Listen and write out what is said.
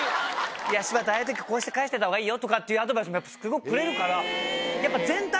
「いや柴田ああいう時こうして返しといたほうがいいよ」とかとかっていうアドバイスもすごくくれるから。